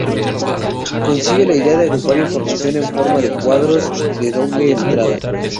Concibe la idea de agrupar la información en forma de cuadros de doble entrada.